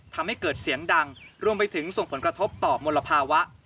ทำให้เกิดเสียงดังรวมไปถึงส่งผลกระทบต่อมลภาวะ